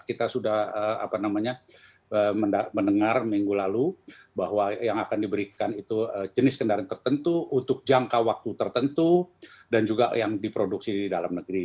kita sudah mendengar minggu lalu bahwa yang akan diberikan itu jenis kendaraan tertentu untuk jangka waktu tertentu dan juga yang diproduksi di dalam negeri